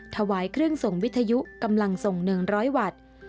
ถวายเครื่องส่งวิทยุกำลังส่ง๑๐๐วัตต์